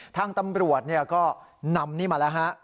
ทางตำรวจก็นำนี่มาแล้วฮะ